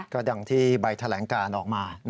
ก็ดังที่ใบแถลงการออกมา